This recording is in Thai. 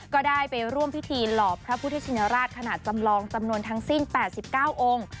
ก็ได้ไปร่วมพิธีหล่อพระพุทธชินราชขนาดจำลองจำนวนทั้งสิ้น๘๙องค์